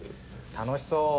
楽しそう。